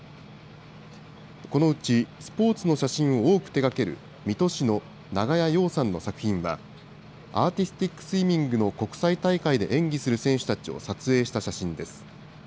このうちスポーツの写真を多く手がける水戸市の長屋陽さんの作品は、アーティスティックスイミングの国際大会で演技する選手たちを撮影した写真です。